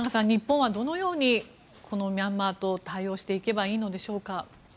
日本はどのようにこのミャンマーと対応していけばいいのでしょうか？